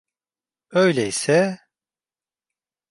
Öyleyse...